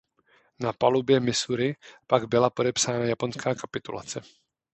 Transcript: Na palubě "Missouri" pak byla podepsána japonská kapitulace.